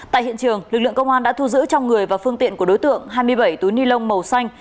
tại hiện trường lực lượng công an đã thu giữ trong người và phương tiện của đối tượng hai mươi bảy túi ni lông màu xanh